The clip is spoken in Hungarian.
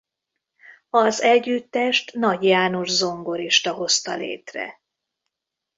Az együttest Nagy János zongorista hozta létre.